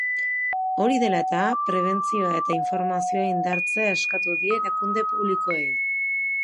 Hori dela eta, prebentzioa eta informazioa indartzea eskatu die erakunde publikoei.